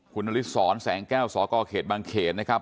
คุณฤทธิ์สอนแสงแก้วสกเขตบางเขตนะครับ